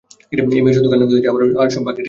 এই মেয়ে শুধু কান্না করতেছে আর বাকি সব ঠিক আছে।